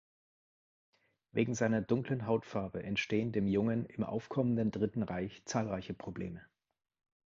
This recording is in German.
Wegen seiner dunklen Hautfarbe entstehen dem Jungen im aufkommenden Dritten Reich zahlreiche Probleme.